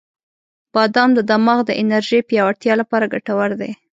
• بادام د دماغ د انرژی پیاوړتیا لپاره ګټور دی.